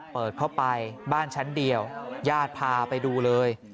เปิดเข้าไปบ้านชั้นเดียวญาติพาไปดูเลย